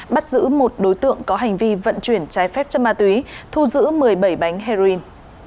bắt giữ một đối tượng có hành vi vận chuyển trái phép chất ma túy thu giữ một mươi bảy bánh heroin